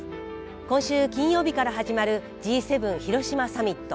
今週金曜日から始まるＧ７広島サミット。